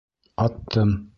Аттым.